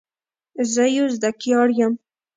زه یو زده کړیال یم.